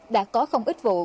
đã có không ít vụ